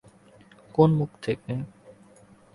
কোন মুখ থেকে?